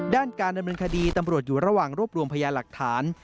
ด้านการดำเนินคดีตำรวจอยู่ระหว่างรวบรวมพยาหลักฐาน